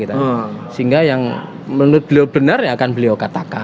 sehingga yang menurut beliau benar ya akan beliau katakan